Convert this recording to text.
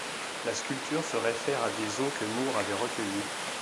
La sculpture se réfère à des os que Moore avait recueillis.